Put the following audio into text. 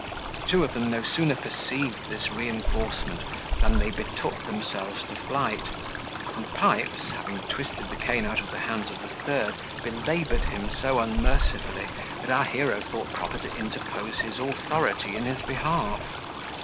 Two of them no sooner perceived this reinforcement, than they betook themselves to flight; and Pipes, having twisted the cane out of the hands of the third, belaboured him so unmercifully, that our hero thought proper to interpose his authority in his behalf.